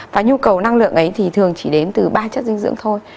và nhu cầu năng lượng ấy thì thường chỉ đến từ ba chất dinh dưỡng thôi